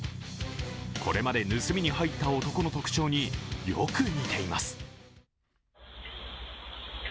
これまで盗みに入った男の特徴によく似ています。